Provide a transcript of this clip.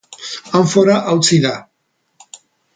Anfora hautsi da.